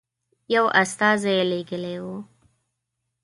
یو استازی لېږلی وو.